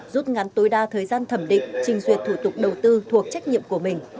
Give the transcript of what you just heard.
rút ngắn tối đa thời gian thẩm định trình duyệt thủ tục đầu tư thuộc trách nhiệm của mình